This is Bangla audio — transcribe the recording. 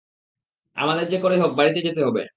আমাদের যে করেই হোক বাড়িতে যেতে হবে!